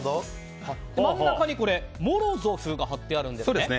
真ん中にモロゾフが貼ってあるんですね。